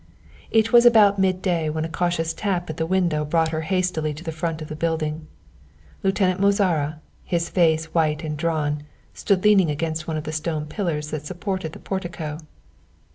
It was about mid day when a cautious tap at the window brought her hastily to the front of the building. Lieutenant Mozara, his face white and drawn, stood leaning against one of the stone pillars that supported the portico.